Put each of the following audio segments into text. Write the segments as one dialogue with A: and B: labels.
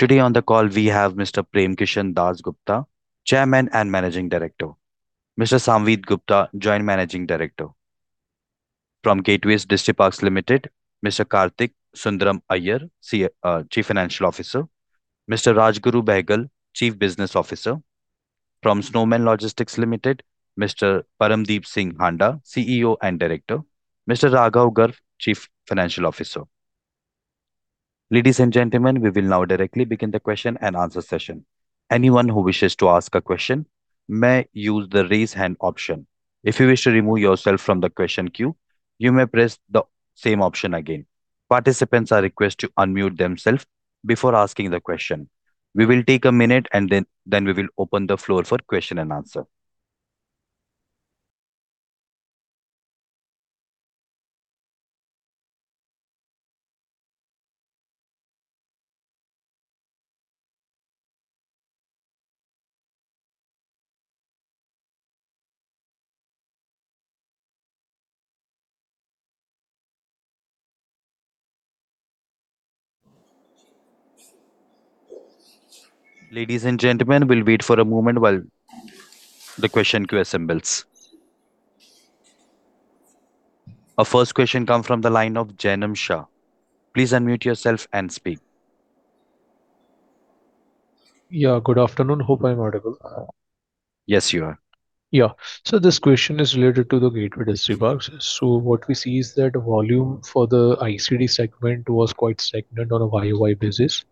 A: Today on the call we have Mr. Prem Kishan Dass Gupta, Chairman and Managing Director. Mr. Samvid Gupta, Joint Managing Director. From Gateway Distriparks Limited, Mr. Kartik Sundaram Aiyer, Chief Financial Officer. Mr. Rajguru Behgal, Chief Business Officer. From Snowman Logistics Limited, Mr. Padamdeep Singh Handa, CEO and Director. Mr. Raghav Garg, Chief Financial Officer. Ladies and gentlemen, we will now directly begin the question-and-answer session. Anyone who wishes to ask a question may use the Raise Hand option. If you wish to remove yourself from the question queue, you may press the same option again. Participants are requested to unmute themselves before asking the question. We will take a minute and then we will open the floor for question and answer. Ladies and gentlemen, we will wait for a moment while the question queue assembles. Our first question comes from the line of Jainam Shah. Please unmute yourself and speak.
B: Yeah, good afternoon. Hope I'm audible.
A: Yes, you are.
B: Yeah. This question is related to the Gateway Distriparks. What we see is that volume for the ICD segment was quite segmented on a YOY basis.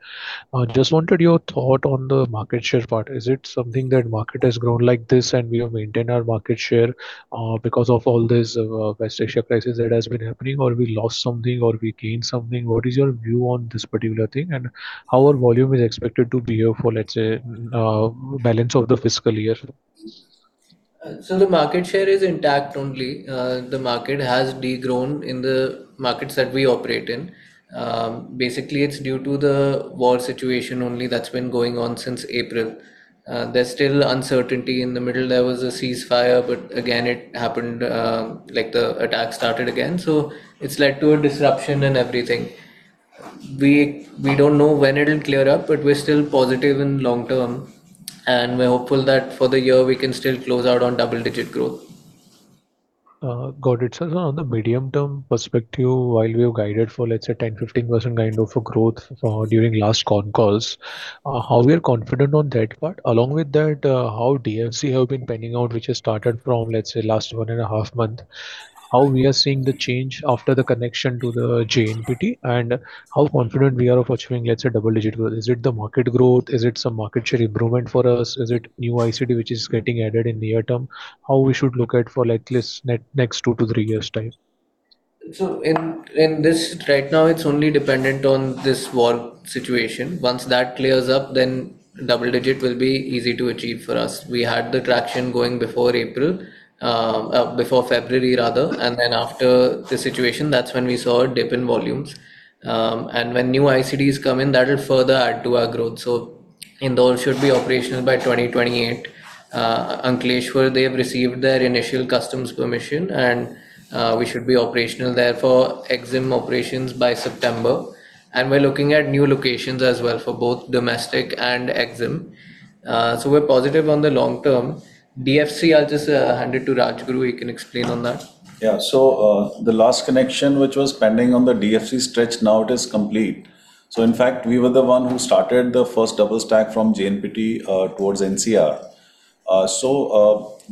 B: Just wanted your thought on the market share part. Is it something that market has grown like this, and we have maintained our market share because of all this West Asia crisis that has been happening, or we lost something, or we gained something? What is your view on this particular thing, and how our volume is expected to be here for, let's say, balance of the fiscal year?
C: The market share is intact only. The market has de-grown in the markets that we operate in. Basically, it is due to the war situation only that has been going on since April. There is still uncertainty. In the middle, there was a ceasefire, but again, the attacks started again. It has led to a disruption in everything. We do not know when it will clear up, but we are still positive in long term, and we are hopeful that for the year we can still close out on double-digit growth.
B: Got it, sir. On the medium-term perspective, while we have guided for, let's say, 10%, 15% kind of a growth during last con calls, how we are confident on that part? Along with that, how DFC have been panning out, which has started from, let's say, last one and a half month. How we are seeing the change after the connection to the JNPT, and how confident we are of achieving, let's say, double-digit growth. Is it the market growth? Is it some market share improvement for us? Is it new ICD which is getting added in near term? How we should look at for next two to three years' time?
C: Right now, it is only dependent on this war situation. Once that clears up, then double-digit will be easy to achieve for us. We had the traction going before April, before February rather, and then after the situation, that is when we saw a dip in volumes. When new ICDs come in, that will further add to our growth. Indore should be operational by 2028. On Ankleshwar, they have received their initial customs permission, and we should be operational there for EXIM operations by September. We are looking at new locations as well for both domestic and EXIM. We are positive on the long term. DFC, I will just hand it to Rajguru, he can explain on that.
D: Yeah. The last connection, which was pending on the DFC stretch, now it is complete. In fact, we were the one who started the first double stack from JNPT towards NCR.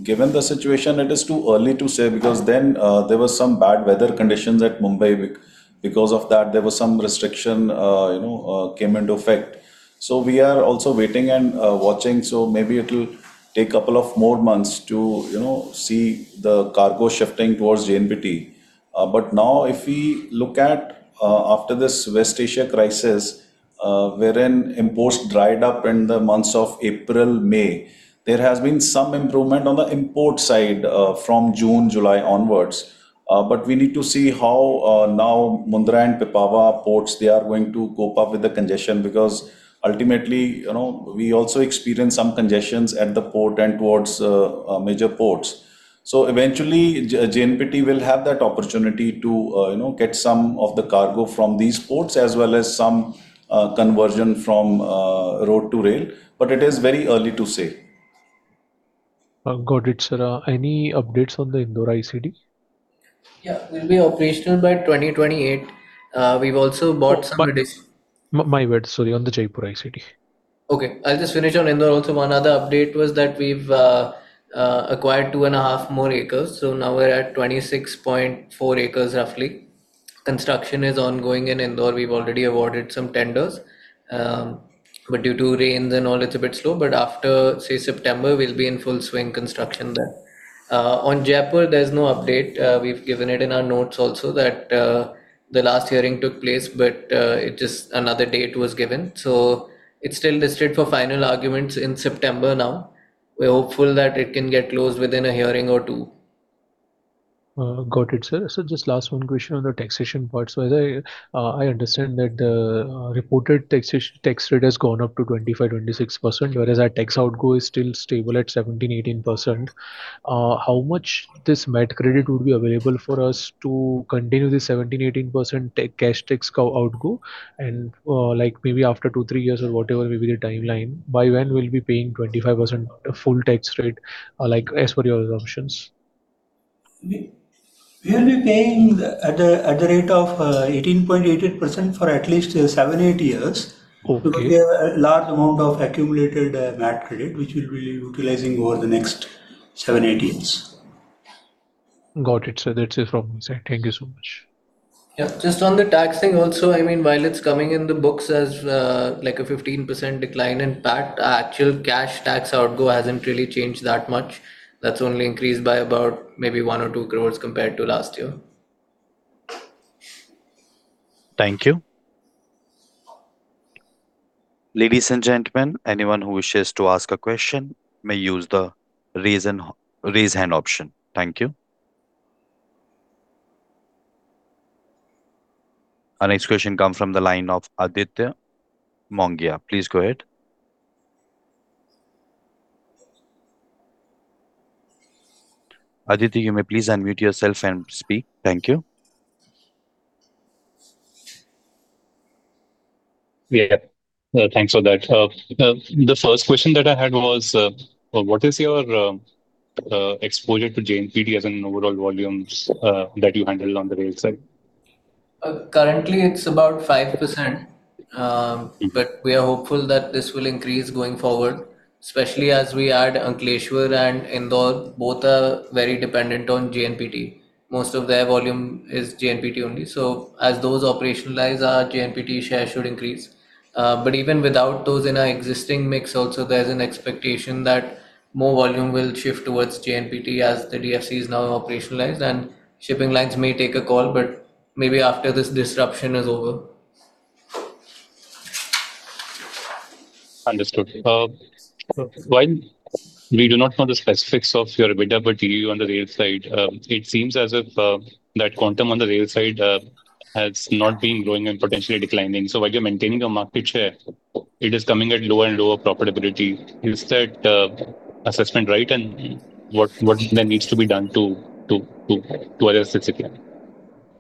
D: Given the situation, it is too early to say because then there were some bad weather conditions at Mumbai. Because of that, there were some restrictions came into effect. We are also waiting and watching. Maybe it'll take couple of more months to see the cargo shifting towards JNPT. Now if we look at, after this West Asia crisis, wherein imports dried up in the months of April, May. There has been some improvement on the import side from June, July onwards. We need to see how now Mundra and Pipavav ports, they are going to cope up with the congestion because ultimately, we also experience some congestions at the port and towards major ports. Eventually, JNPT will have that opportunity to get some of the cargo from these ports, as well as some conversion from road to rail. It is very early to say.
B: Got it, sir. Any updates on the Indore ICD?
C: Yeah. We'll be operational by 2028. We've also bought some.
B: My bad, sorry. On the Jaipur ICD.
C: Okay. I'll just finish on Indore also. One other update was that we've acquired two and a half more acres, so now we're at 26.4 acres roughly. Construction is ongoing in Indore. We've already awarded some tenders. Due to rains and all, it's a bit slow, but after, say, September, we'll be in full swing construction there. On Jaipur, there's no update. We've given it in our notes also that the last hearing took place, but just another date was given. It's still listed for final arguments in September now. We're hopeful that it can get closed within a hearing or two.
B: Got it, sir. Sir, just last one question on the taxation part. I understand that the reported tax rate has gone up to 25%-26%, whereas our tax outgo is still stable at 17%-18%. How much this MAT credit would be available for us to continue this 17%-18% cash tax outgo, and maybe after two, three years or whatever may be the timeline, by when we'll be paying 25% full tax rate, as per your assumptions?
E: We'll be paying at the rate of 18.88% for at least seven, eight years.
B: Okay.
E: We have a large amount of accumulated MAT credit, which we'll be utilizing over the next seven, eight years.
B: Got it, sir. That's it from my side. Thank you so much.
C: Yeah. Just on the taxing also, while it's coming in the books as a 15% decline in PAT, our actual cash tax outgo hasn't really changed that much. That's only increased by about maybe 1 or 2 crores compared to last year.
A: Thank you. Ladies and gentlemen, anyone who wishes to ask a question may use the raise hand option. Thank you. Our next question comes from the line of Aditya Mongia. Please go ahead. Aditya, you may please unmute yourself and speak. Thank you.
F: Yeah. Thanks for that. The first question that I had was, what is your exposure to JNPT as in overall volumes that you handle on the rail side?
C: Currently, it's about 5%. We are hopeful that this will increase going forward, especially as we add Ankleshwar and Indore, both are very dependent on JNPT. Most of their volume is JNPT only. As those operationalize, our JNPT share should increase. Even without those in our existing mix also, there's an expectation that more volume will shift towards JNPT as the DFC is now operationalized, and shipping lines may take a call, but maybe after this disruption is over.
F: Understood. While we do not know the specifics of your EBITDA, but you on the rail side, it seems as if that quantum on the rail side has not been growing and potentially declining. While you're maintaining a market share, it is coming at lower and lower profitability. Is that assessment right, and what then needs to be done to address this again?
C: Yeah,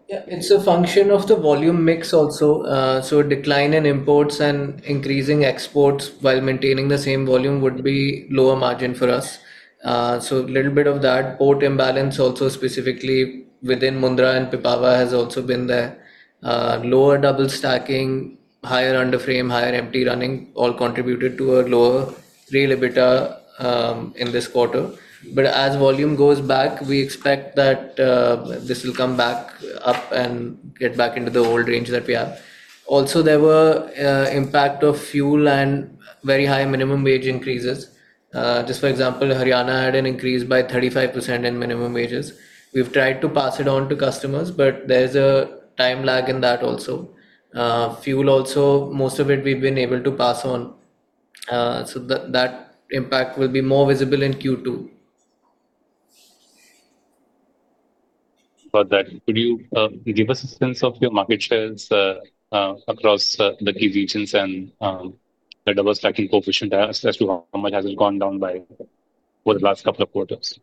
C: it's a function of the volume mix also. A decline in imports and increasing exports while maintaining the same volume would be lower margin for us. A little bit of that port imbalance also specifically within Mundra and Pipavav has also been there. Lower double stacking, higher underframe, higher empty running, all contributed to a lower rail EBITDA in this quarter. As volume goes back, we expect that this will come back up and get back into the old range that we have. Also, there were impact of fuel and very high minimum wage increases. Just for example, Haryana had an increase by 35% in minimum wages. We've tried to pass it on to customers, but there's a time lag in that also. Fuel also, most of it we've been able to pass on, so that impact will be more visible in Q2.
F: About that, could you give us a sense of your market shares across the key regions and the double stacking coefficient as to how much has it gone down by over the last couple of quarters?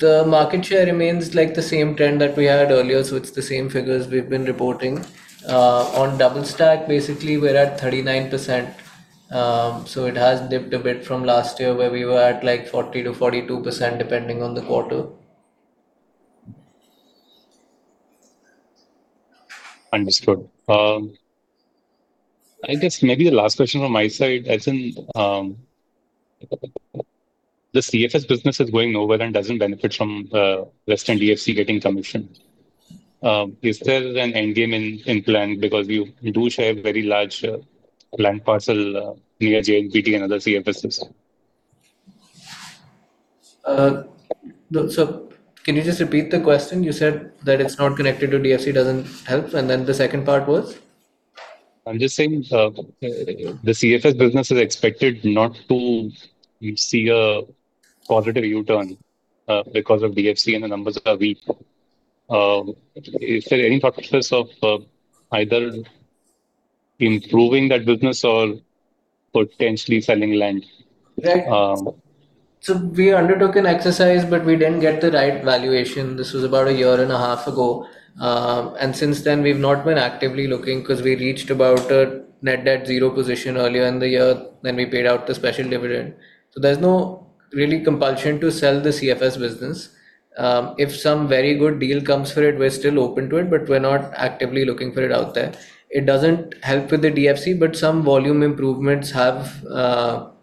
C: The market share remains like the same trend that we had earlier, so it's the same figures we've been reporting. On double stack, basically, we're at 39%, so it has dipped a bit from last year where we were at 40% to 42%, depending on the quarter.
F: Understood. I guess maybe the last question from my side, as in, the CFS business is going nowhere and doesn't benefit from Western DFC getting commissioned. Is there an endgame in plan because you do share a very large land parcel near JNPT and other CFSs?
C: Can you just repeat the question? You said that it's not connected to DFC, doesn't help, and then the second part was?
F: I'm just saying that the CFS business is expected not to see a positive U-turn because of DFC and the numbers are weak. Is there any thought process of either improving that business or potentially selling land?
C: We undertook an exercise, but we didn't get the right valuation. This was about a year and a half ago. Since then, we've not been actively looking because we reached about a net debt zero position earlier in the year. We paid out the special dividend. There's no really compulsion to sell the CFS business. If some very good deal comes for it, we're still open to it, but we're not actively looking for it out there. It doesn't help with the DFC, but some volume improvements have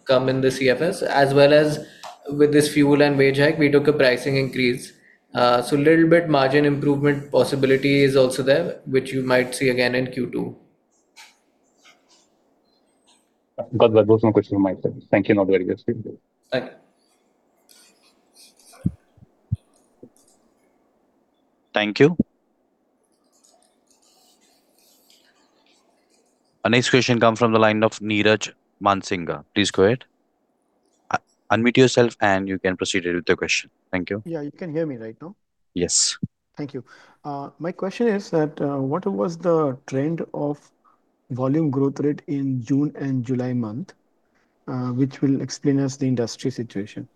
C: come in the CFS, as well as with this fuel and wage hike, we took a pricing increase. A little bit margin improvement possibility is also there, which you might see again in Q2.
F: Got that. Those are questions from my side. Thank you and have a very good day.
C: Thank you.
A: Thank you. Our next question comes from the line of Niraj Mansingka. Please go ahead. Unmute yourself and you can proceed with your question. Thank you.
G: Yeah, you can hear me right now?
A: Yes.
G: Thank you. My question is that what was the trend of volume growth rate in June and July month, which will explain us the industry situation?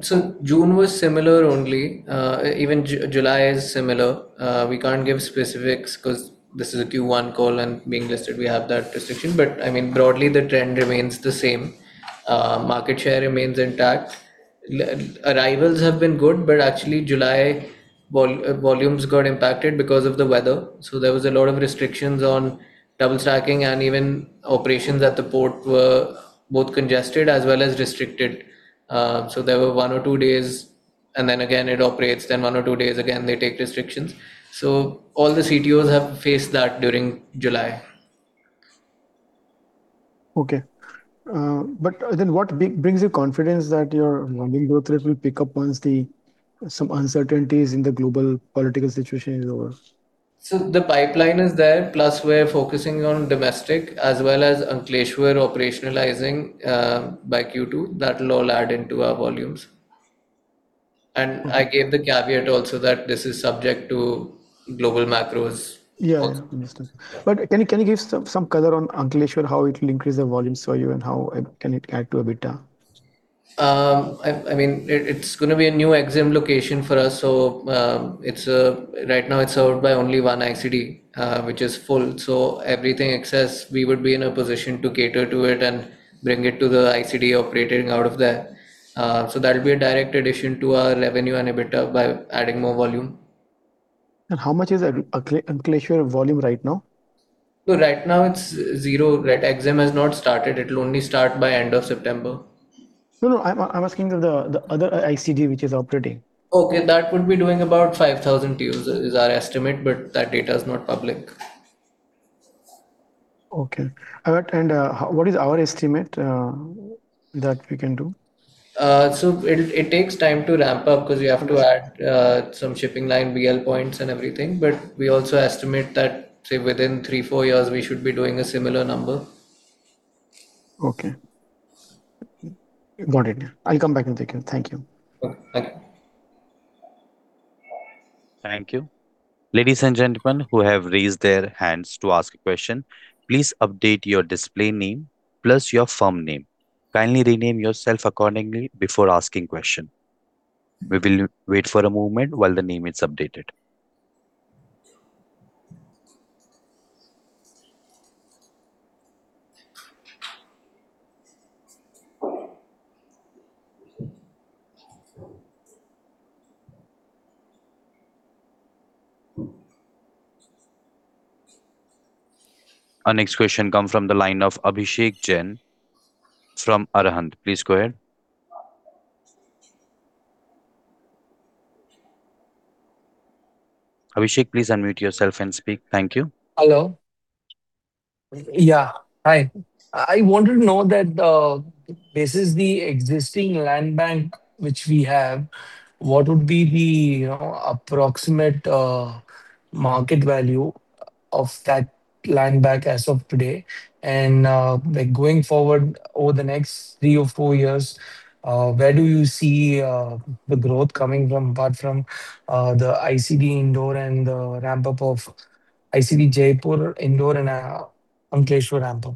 C: June was similar only, even July is similar. We can't give specifics because this is a Q1 call, and being listed, we have that restriction. Broadly, the trend remains the same. Market share remains intact. Arrivals have been good, but actually July volumes got impacted because of the weather. There was a lot of restrictions on double stacking and even operations at the port were both congested as well as restricted. There were one or two days and then again, it operates, then one or two days, again, they take restrictions. All the CTOs have faced that during July.
G: What brings you confidence that your volume growth rate will pick up once some uncertainties in the global political situation is over?
C: The pipeline is there, plus we're focusing on domestic as well as Ankleshwar operationalizing by Q2. That will all add into our volumes. I gave the caveat also that this is subject to global macros.
G: Understood. Can you give some color on Ankleshwar, how it will increase the volumes for you and how can it add to EBITDA?
C: It's going to be a new EXIM location for us, right now it's owned by only one ICD, which is full. Everything excess, we would be in a position to cater to it and bring it to the ICD operating out of there. That will be a direct addition to our revenue and EBITDA by adding more volume.
G: How much is Ankleshwar volume right now?
C: Right now, it's zero. EXIM has not started. It will only start by end of September.
G: No, I'm asking the other ICD, which is operating.
C: Okay, that would be doing about 5,000 TEUs, is our estimate, that data is not public.
G: Okay. Alright, what is our estimate that we can do?
C: It takes time to ramp up because you have to add some shipping line, BL points and everything. We also estimate that, say, within three, four years, we should be doing a similar number.
G: Okay. Got it. I'll come back in second. Thank you.
C: Okay. Thank you.
A: Thank you. Ladies and gentlemen who have raised their hands to ask a question, please update your display name plus your firm name. Kindly rename yourself accordingly before asking question. We will wait for a moment while the name is updated. Our next question comes from the line of Abhishek Jain from Arihant Capital. Please go ahead. Abhishek, please unmute yourself and speak. Thank you.
H: Hello. Yeah, hi. I wanted to know that basis the existing land bank which we have, what would be the approximate market value of that land bank as of today? Going forward over the next three or four years, where do you see the growth coming from apart from the ICD Indore and the ramp-up of ICD Jaipur, Indore and Ankleshwar ramp-up?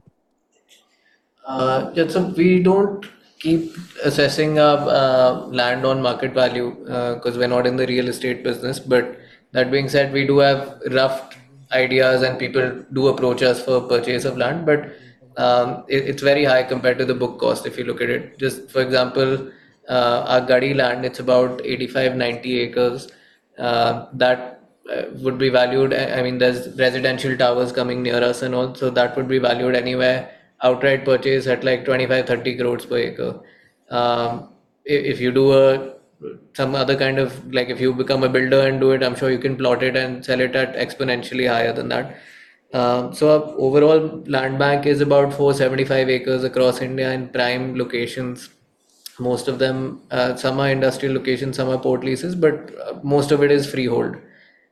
C: Yeah, we don't keep assessing our land on market value, because we're not in the real estate business. That being said, we do have rough ideas and people do approach us for purchase of land, but it's very high compared to the book cost, if you look at it. Just for example, our Garhi land, it's about 85, 90 acres. There's residential towers coming near us and all, so that would be valued anywhere, outright purchase at 25, 30 crores per acre. If you become a builder and do it, I'm sure you can plot it and sell it at exponentially higher than that. Our overall land bank is about 475 acres across India in prime locations. Most of them, some are industrial locations, some are port leases, but most of it is freehold.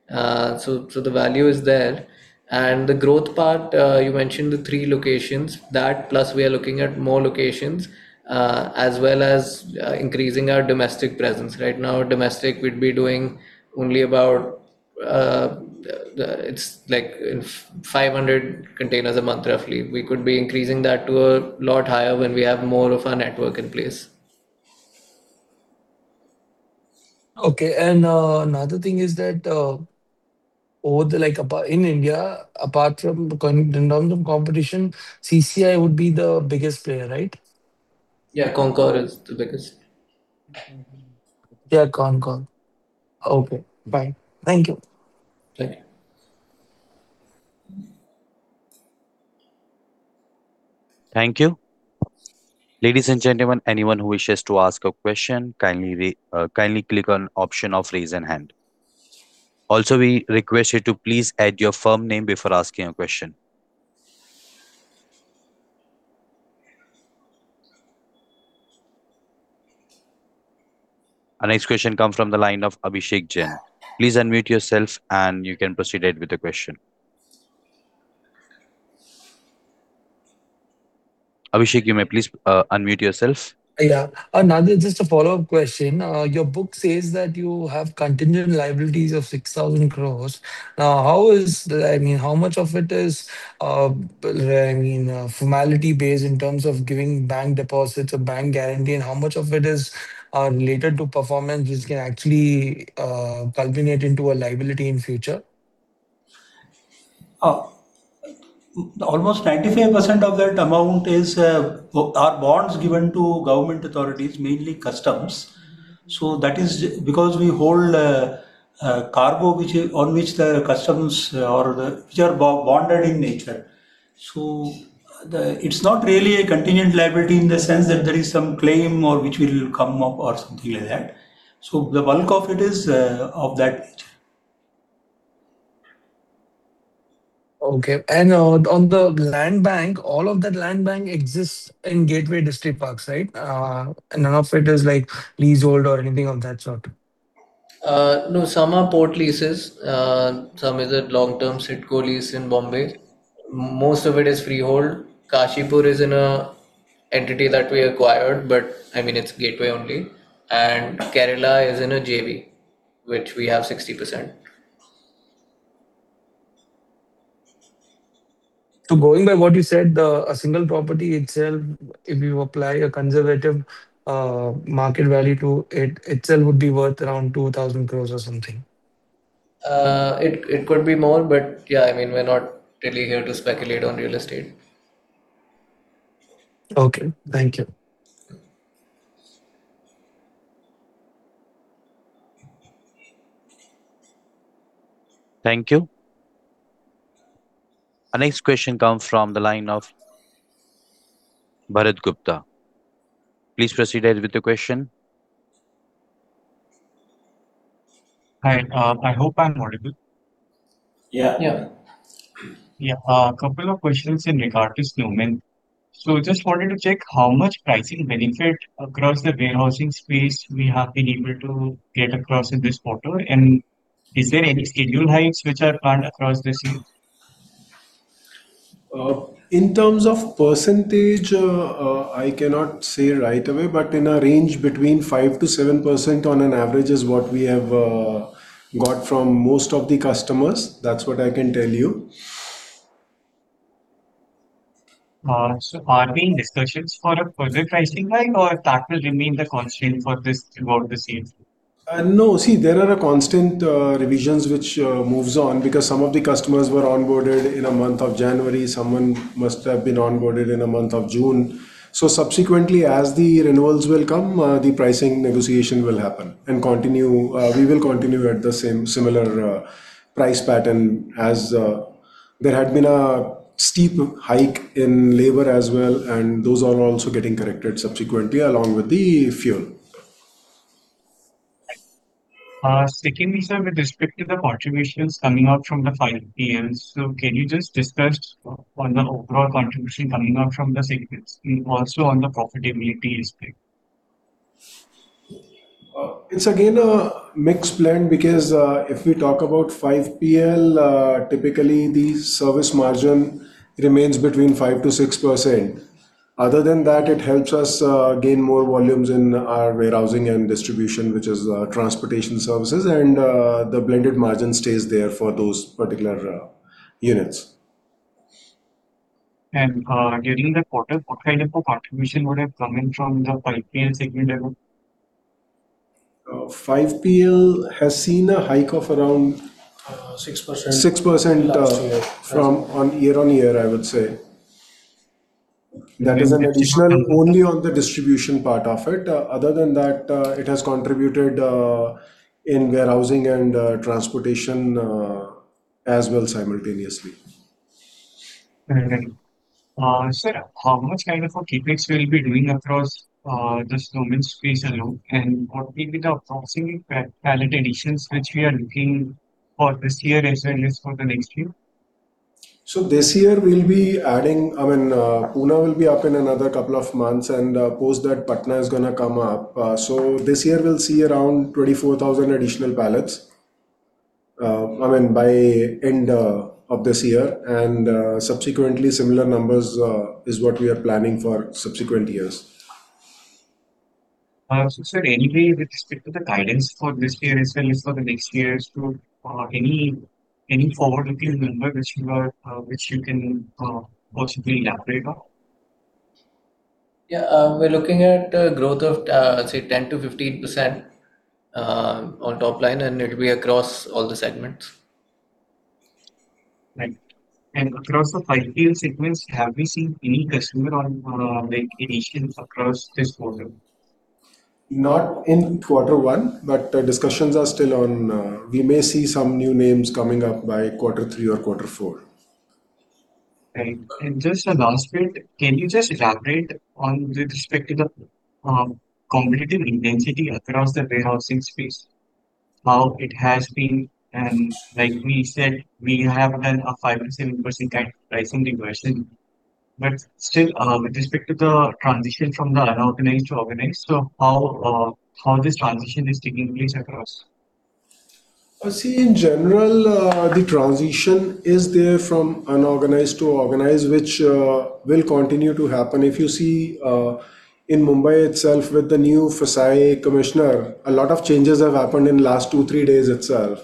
C: The value is there. The growth part, you mentioned the three locations. That, plus we are looking at more locations, as well as increasing our domestic presence. Right now, domestic, we'd be doing only about 500 containers a month, roughly. We could be increasing that to a lot higher when we have more of our network in place.
H: Okay. Another thing is that, in India, apart from random competition, CONCOR would be the biggest player, right?
C: Yeah, CONCOR is the biggest.
H: Yeah, CONCOR. Okay, bye. Thank you.
C: Thank you.
A: Thank you. Ladies and gentlemen, anyone who wishes to ask a question, kindly click on option of raise a hand. Also, we request you to please add your firm name before asking a question. Our next question comes from the line of Abhishek Jain. Please unmute yourself and you can proceed with the question. Abhishek, you may please unmute yourself.
H: Yeah. Just a follow-up question. Your book says that you have contingent liabilities of 6,000 crores. How much of it is formality based in terms of giving bank deposits or bank guarantee, and how much of it is related to performance, which can actually culminate into a liability in future?
I: Almost 95% of that amount are bonds given to government authorities, mainly customs. That is because we hold cargo on which the customs are bonded in nature. It's not really a contingent liability in the sense that there is some claim or which will come up or something like that. The bulk of it is of that nature.
H: Okay. On the land bank, all of that land bank exists in Gateway Distriparks, right? None of it is leasehold or anything of that sort.
C: No. Some are port leases. Some is a long-term SITCO lease in Bombay. Most of it is freehold. Kashipur is in an entity that we acquired, but it is Gateway only. Kerala is in a JV, which we have 60%.
H: Going by what you said, a single property itself, if you apply a conservative market value to it itself would be worth around 2,000 crores or something.
C: It could be more, yeah, we are not really here to speculate on real estate.
H: Okay. Thank you.
A: Thank you. Our next question comes from the line of Bharat Gupta. Please proceed with the question.
J: Hi. I hope I'm audible.
C: Yeah.
I: Yeah.
J: Yeah. A couple of questions in regard to Snowman. Just wanted to check how much pricing benefit across the warehousing space we have been able to get across in this quarter, and is there any schedule hikes which are planned across this year?
I: In terms of percentage, I cannot say right away, but in a range between 5% to 7% on an average is what we have got from most of the customers. That's what I can tell you.
J: Are there any discussions for a further pricing hike, or that will remain the constant for this about the same?
I: No. See, there are constant revisions which moves on because some of the customers were onboarded in the month of January. Someone must have been onboarded in the month of June. Subsequently, as the renewals will come, the pricing negotiation will happen. We will continue at the similar price pattern as there had been a steep hike in labor as well, and those are also getting corrected subsequently along with the fuel.
J: Secondly, sir, with respect to the contributions coming out from the 5PL. Can you just discuss on the overall contribution coming out from the segments and also on the profitability aspect?
I: It's again a mixed blend because, if we talk about 5PL, typically the service margin remains between 5% to 6%. Other than that, it helps us gain more volumes in our warehousing and distribution, which is our transportation services, and the blended margin stays there for those particular units.
J: During the quarter, what kind of a contribution would have come in from the 5PL segment alone?
I: 5PL has seen a hike of around
C: 6%
I: 6% from
C: Last year
I: on year-on-year, I would say. That is an additional only on the distribution part of it. Other than that, it has contributed in warehousing and transportation as well simultaneously.
J: Very well. Sir, how much kind of a CapEx will you be doing across the Snowman space alone, and what will be the approximate pallet additions which we are looking for this year as well as for the next year?
I: This year, we'll be adding. Pune will be up in another couple of months and post that Patna is going to come up. This year we'll see around 24,000 additional pallets by end of this year. Subsequently similar numbers is what we are planning for subsequent years.
J: Sir, anyway, with respect to the guidance for this year as well as for the next years too, any forward-looking number which you can possibly elaborate on?
C: Yeah. We're looking at growth of, let's say, 10% to 15% on top line. It'll be across all the segments.
J: Right. Across the 5PL segments, have we seen any customer on board or any additions across this quarter?
I: Not in quarter one, discussions are still on. We may see some new names coming up by quarter three or quarter four.
J: Right. Just the last bit, can you just elaborate on with respect to the competitive intensity across the warehousing space, how it has been? Like we said, we have done a 5% increase in pricing revision. Still, with respect to the transition from the unorganized to organized, how this transition is taking place across?
C: In general, the transition is there from unorganized to organized, which will continue to happen. If you see, in Mumbai itself, with the new FSSAI commissioner, a lot of changes have happened in last two, three days itself.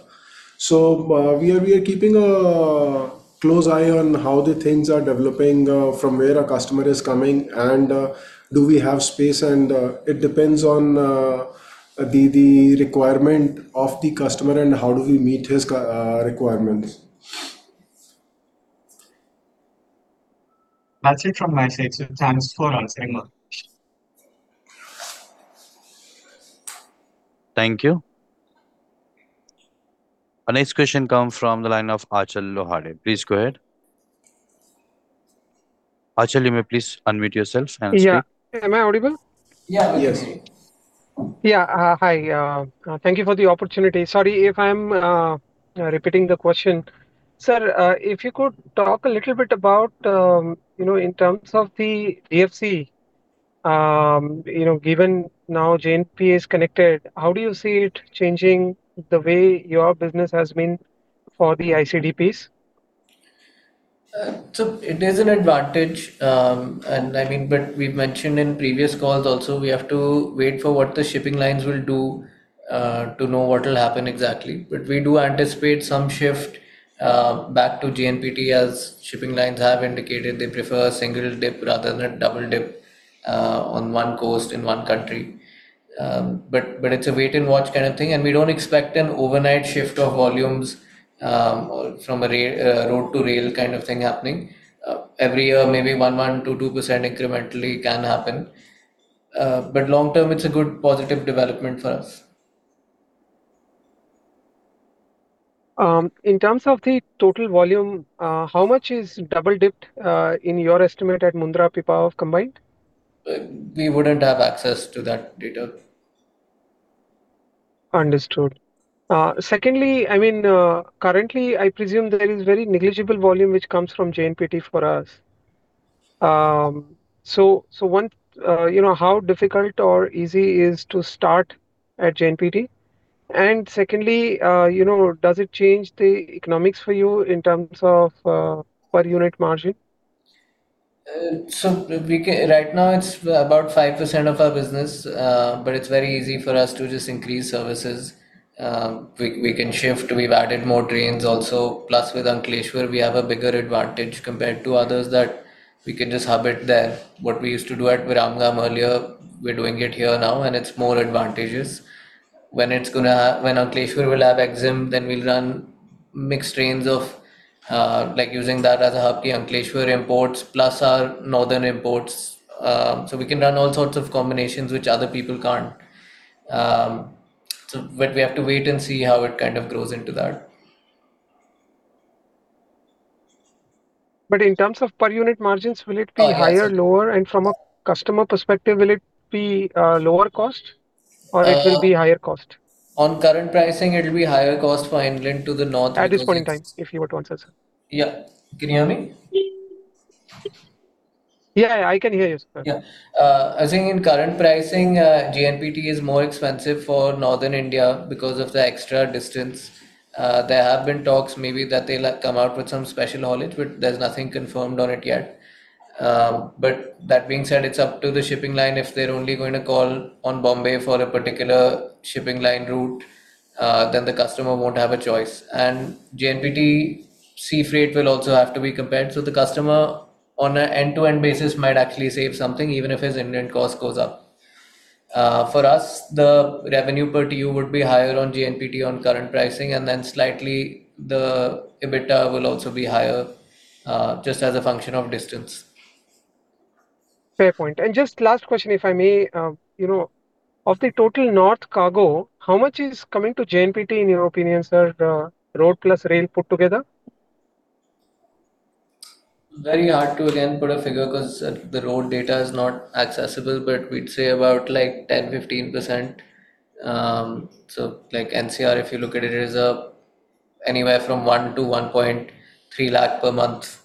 C: We are keeping a close eye on how the things are developing, from where a customer is coming, and do we have space. It depends on the requirement of the customer and how do we meet his requirements.
J: That's it from my side, sir. Thanks for answering.
A: Thank you. Our next question come from the line of Achal Lohade. Please go ahead. Achal, you may please unmute yourself and speak.
K: Yeah. Am I audible?
C: Yeah. We hear sir.
K: Yeah. Hi. Thank you for the opportunity. Sorry if I'm repeating the question. Sir, if you could talk a little bit about, in terms of the DFC, given now JNPT is connected, how do you see it changing the way your business has been for the ICDs?
C: It is an advantage, but we mentioned in previous calls also, we have to wait for what the shipping lines will do, to know what will happen exactly. We do anticipate some shift back to JNPT as shipping lines have indicated they prefer single dip rather than double dip on one coast in one country. It's a wait-and-watch kind of thing, and we don't expect an overnight shift of volumes from a road-to-rail kind of thing happening. Every year, maybe one, 2% incrementally can happen. Long term, it's a good positive development for us.
K: In terms of the total volume, how much is double dipped in your estimate at Mundra Pipavav combined?
C: We wouldn't have access to that data.
K: Understood. Secondly, currently, I presume there is very negligible volume which comes from JNPT for us. How difficult or easy is to start at JNPT? Secondly, does it change the economics for you in terms of per unit margin?
C: Right now it's about 5% of our business, but it's very easy for us to just increase services. We can shift. We've added more trains also. With Ankleshwar, we have a bigger advantage compared to others that we can just hub it there. What we used to do at Viramgam earlier, we're doing it here now, and it's more advantageous. When Ankleshwar will have EXIM, then we'll run mixed trains of, like, using that as a hub, the Ankleshwar imports plus our northern imports. We can run all sorts of combinations which other people can't. We have to wait and see how it kind of grows into that.
K: In terms of per unit margins, will it be higher or lower? From a customer perspective, will it be lower cost or it will be higher cost?
C: On current pricing, it'll be higher cost for inland to the north.
K: At this point in time, if you were to answer, sir.
C: Yeah. Can you hear me?
K: Yeah, I can hear you, sir.
C: I think in current pricing, JNPT is more expensive for Northern India because of the extra distance. There have been talks maybe that they'll come out with some special haulage, but there's nothing confirmed on it yet. That being said, it's up to the shipping line. If they're only going to call on Bombay for a particular shipping line route, then the customer won't have a choice. JNPT sea freight will also have to be compared. The customer, on an end-to-end basis, might actually save something, even if his inland cost goes up. For us, the revenue per DU would be higher on JNPT on current pricing, slightly the EBITDA will also be higher, just as a function of distance.
K: Fair point. Just last question, if I may. Of the total north cargo, how much is coming to JNPT in your opinion, sir, road plus rail put together?
C: Very hard to, again, put a figure because the road data is not accessible, but we'd say about 10%-15%. NCR, if you look at it, is anywhere from one to 1.3 lakh per month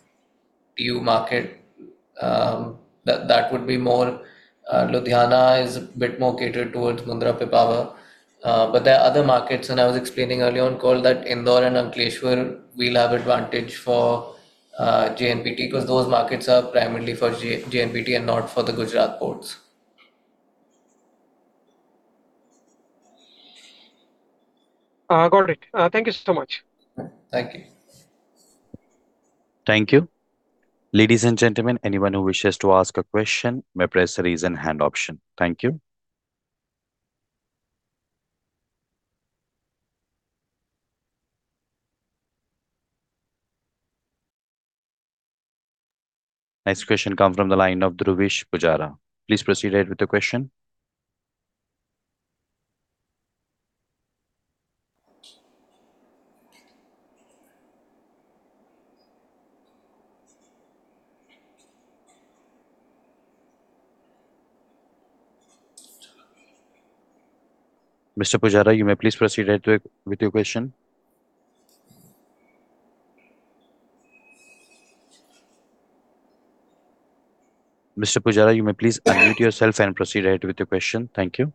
C: DU market. That would be more. Ludhiana is a bit more catered towards Mundra Pipavav. There are other markets, I was explaining earlier on call that Indore and Ankleshwar will have advantage for JNPT, because those markets are primarily for JNPT and not for the Gujarat ports.
K: Got it. Thank you so much.
C: Thank you.
A: Thank you. Ladies and gentlemen, anyone who wishes to ask a question may press raise hand option. Thank you. Next question come from the line of Dhruvesh Pujara. Please proceed ahead with the question. Mr. Pujara, you may please proceed with your question. Mr. Pujara, you may please unmute yourself and proceed with your question. Thank you.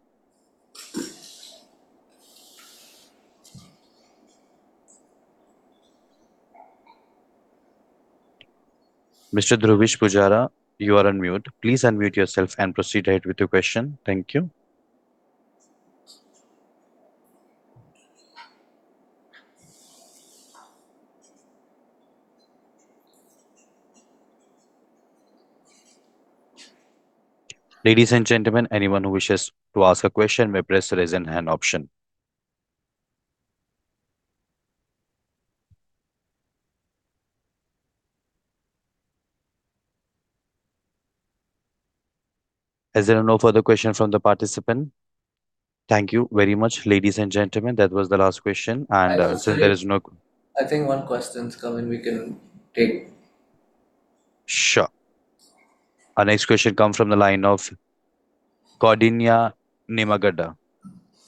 A: Mr. Dhruvesh Pujara, you are on mute. Please unmute yourself and proceed with your question. Thank you. Ladies and gentlemen, anyone who wishes to ask a question may press raise hand option. As there are no further question from the participant, thank you very much, ladies and gentlemen. That was the last question.
C: I think one question's come in, we can take.
A: Sure. Our next question come from the line of Koundinya Nimmagadda.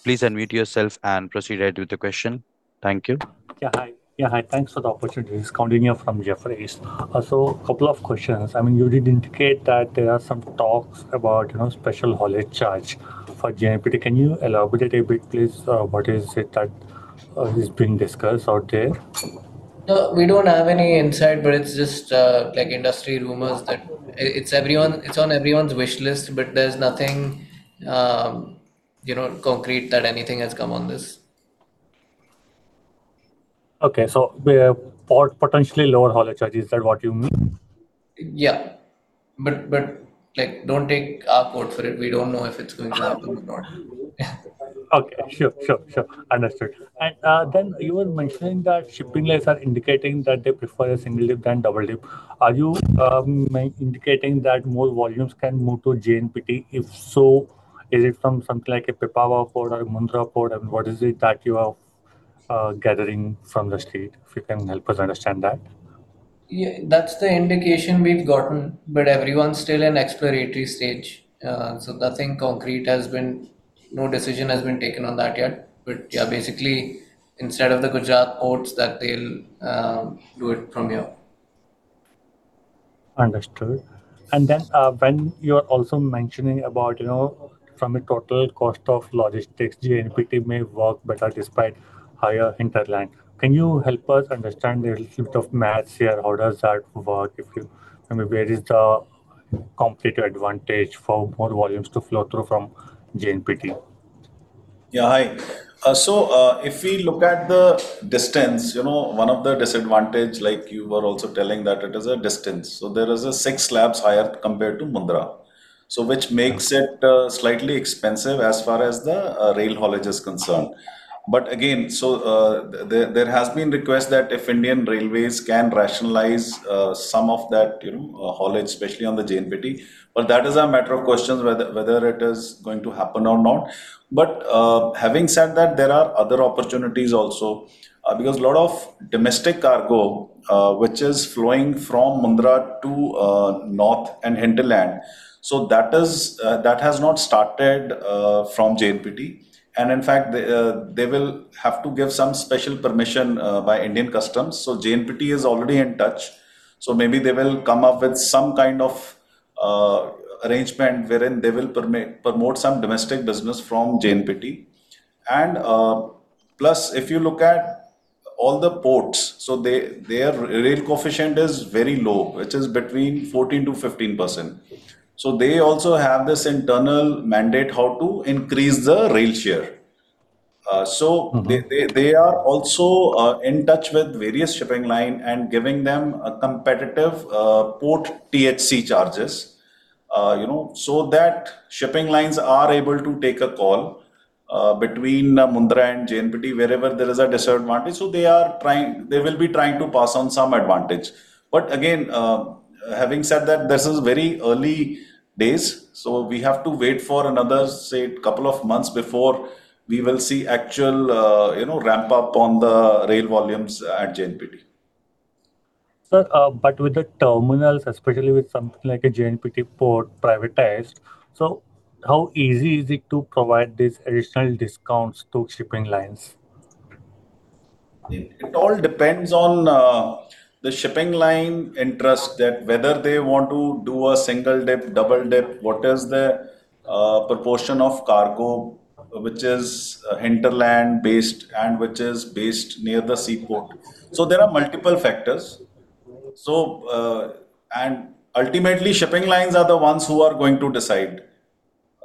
A: Please unmute yourself and proceed with the question. Thank you.
L: Yeah, hi. Thanks for the opportunity. It's Koundinya from Jefferies. Couple of questions. You did indicate that there are some talks about special haulage charge for JNPT. Can you elaborate it a bit, please? What is it that is being discussed out there?
C: No, we don't have any insight, but it's just industry rumors that it's on everyone's wish list, but there's nothing concrete that anything has come on this.
L: Okay. Potentially lower haulage charges, is that what you mean?
C: Yeah. Don't take our quote for it. We don't know if it's going to happen or not.
L: Okay, sure. Understood. Then you were mentioning that shipping lines are indicating that they prefer a single dip than double dip. Are you indicating that more volumes can move to JNPT? If so, is it from something like a Pipavav port or Mundra port, what is it that you are gathering from the street, if you can help us understand that?
C: That's the indication we've gotten. Everyone's still in exploratory stage. No decision has been taken on that yet. Basically, instead of the Gujarat ports that they'll do it from here.
L: Understood. When you are also mentioning about from a total cost of logistics, JNPT may work better despite higher hinterland. Can you help us understand the little bit of maths here? How does that work, where is the competitive advantage for more volumes to flow through from JNPT?
D: Hi. If we look at the distance, one of the disadvantages, like you were also telling, that it is a distance. There are six slabs higher compared to Mundra, which makes it slightly expensive as far as the rail haulage is concerned. Again, there has been requests that if Indian Railways can rationalize some of that haulage, especially on the JNPT. That is a matter of question whether it is going to happen or not. Having said that, there are other opportunities also, because a lot of domestic cargo, which is flowing from Mundra to north and hinterland, that has not started from JNPT. In fact, they will have to give some special permission by Indian customs. JNPT is already in touch, maybe they will come up with some kind of arrangement wherein they will promote some domestic business from JNPT. Plus, if you look at all the ports, their rail coefficient is very low, which is between 14% to 15%. They also have this internal mandate how to increase the rail share. They are also in touch with various shipping line and giving them a competitive port THC charges that shipping lines are able to take a call between Mundra and JNPT wherever there is a disadvantage. They will be trying to pass on some advantage. Again, having said that, this is very early days, we have to wait for another, say, couple of months before we will see actual ramp-up on the rail volumes at JNPT.
L: Sir, with the terminals, especially with something like a JNPT port privatized, how easy is it to provide these additional discounts to shipping lines?
D: It all depends on the shipping line interest that whether they want to do a single dip, double dip, what is the proportion of cargo which is hinterland-based and which is based near the seaport. There are multiple factors. Ultimately, shipping lines are the ones who are going to decide.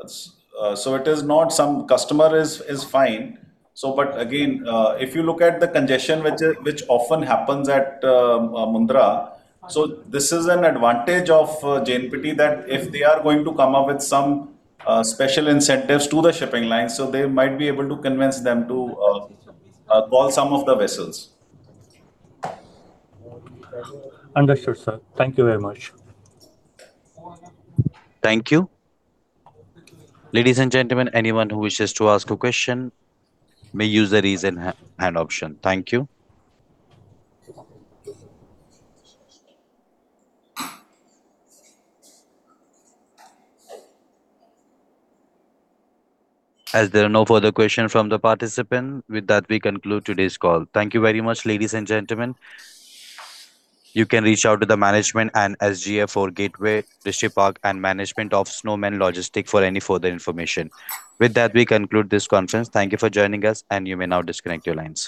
D: It is not some customer is fine. Again, if you look at the congestion which often happens at Mundra, this is an advantage of JNPT, that if they are going to come up with some special incentives to the shipping line, they might be able to convince them to call some of the vessels.
L: Understood, sir. Thank you very much.
A: Thank you. Ladies and gentlemen, anyone who wishes to ask a question may use the raise hand option. Thank you. As there are no further question from the participant, with that, we conclude today's call. Thank you very much, ladies and gentlemen. You can reach out to the management and SGA Gateway Distriparks and management of Snowman Logistics for any further information. With that, we conclude this conference. Thank you for joining us, and you may now disconnect your lines.